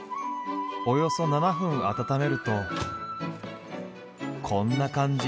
およそ７分温めるとこんな感じ。